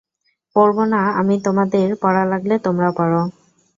পরবো না আমি তোমাদের পরা লাগলে তোমারা পরো।